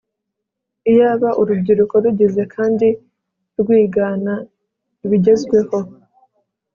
iyaba urubyiruko rugize kandi rwigana ibigezweho